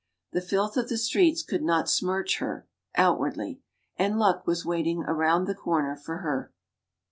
The filth of the streets could not smirch her outwardly. And luck was waiting around the corner for her.